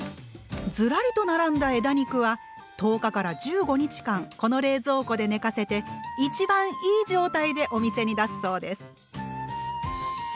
ずらりと並んだ枝肉は１０日から１５日間この冷蔵庫で寝かせて一番いい状態でお店に出すそうです。